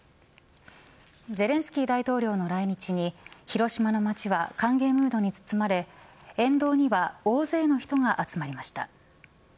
ゼレンスキー大統領の来日に広島の街は歓迎ムードにつつまれ沿道には大勢の人が集まりました。